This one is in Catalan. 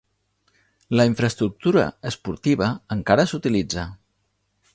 La infraestructura esportiva encara s'utilitza.